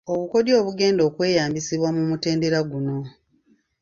Obukodyo obugenda okweyambisibwa mu mutendera guno.